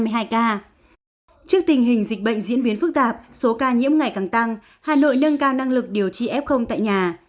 trước tình hình dịch bệnh diễn biến phức tạp số ca nhiễm ngày càng tăng hà nội nâng cao năng lực điều trị f tại nhà